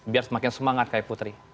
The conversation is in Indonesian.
biar semakin semangat kayak putri